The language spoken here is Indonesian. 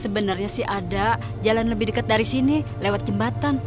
sebenarnya sih ada jalan lebih dekat dari sini lewat jembatan